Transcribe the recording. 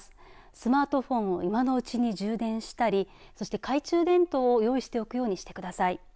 スマートフォンを今のうちに充電したりそして、懐中電灯を用意しておくようにしてください。